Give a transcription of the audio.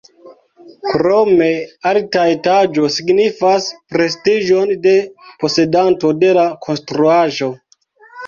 Krome, alta etaĝo signifas prestiĝon de posedanto de la konstruaĵo.